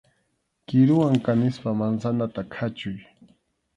Kiruwan kanispa mansanata khachuy.